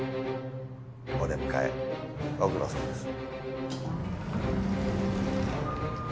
お出迎えご苦労さんです。